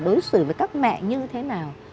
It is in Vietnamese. đối xử với các mẹ như thế nào